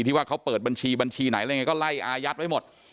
ว่าเขาเปิดบัญชีบัญชีไหนอะไรยังไงก็ไล่อายัดไว้หมด